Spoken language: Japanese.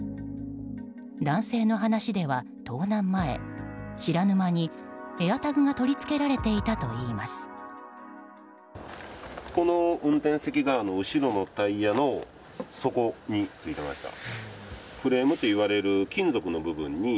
男性の話では盗難前、知らぬ間にＡｉｒＴａｇが取り付けられていたといいます。